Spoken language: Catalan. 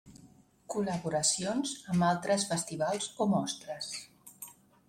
Col·laboracions amb altres festivals o mostres.